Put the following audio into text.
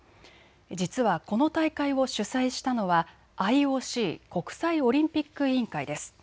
実はこの大会を主催したのはＩＯＣ・国際オリンピック委員会です。